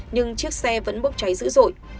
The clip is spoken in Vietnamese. nhưng chiếc xe vẫn bốc cháy dữ dội